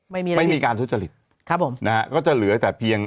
ไม่มีการทุจริตครับผมนะฮะก็จะเหลือแต่เพียง